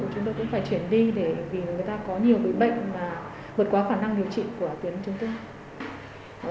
chúng tôi cũng phải chuyển đi vì người ta có nhiều bệnh bệnh mà vượt qua khả năng điều trị của tuyến chúng tôi